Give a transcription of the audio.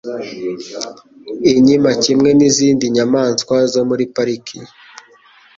Inkima kimwe n'izindi nyamaswa zo muri Pariki